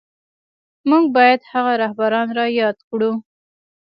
موږ بايد هغه رهبران را ياد کړو.